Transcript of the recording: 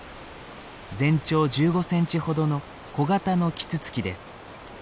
全長１５センチほどの小型のキツツキです。